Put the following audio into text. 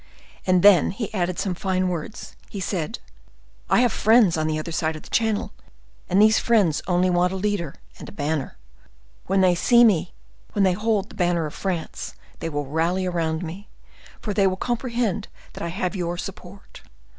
"And then he added some fine words: he said, 'I have friends on the other side of the channel, and these friends only want a leader and a banner. When they see me, when they behold the banner of France, they will rally around me, for they will comprehend that I have your support.